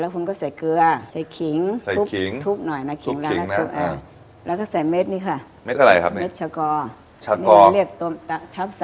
คุณก็ต